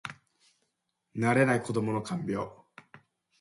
慣れない子どもの看病